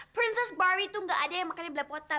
princess barbie tuh gak ada yang makanlah belapotan